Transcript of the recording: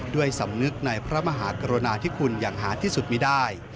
ด้วยสำนึกในพระมหากรุณาที่คุณอย่างหาที่สุดมีได้